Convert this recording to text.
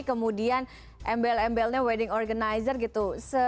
kemudian embel embelnya wedding organizer gitu